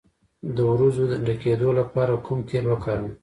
د وروځو د ډکیدو لپاره کوم تېل وکاروم؟